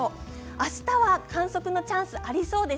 あしたは観測のチャンスありそうです。